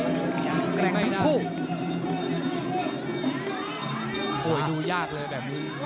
โอ้โหดูยากเลยแบบนี้